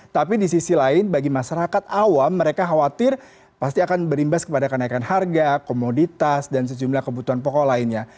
tapi di sisi lain bagi masyarakat awam mereka khawatir pasti akan berimbas kepada kenaikan harga komoditas dan sejumlah kebutuhan pokok lainnya